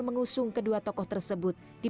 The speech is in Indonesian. mengusung kedua tokoh tersebut di